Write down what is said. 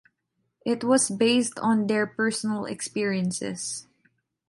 It was based on their personal experiences.